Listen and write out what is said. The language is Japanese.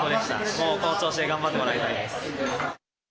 もうこの調子で頑張ってもらいたいです。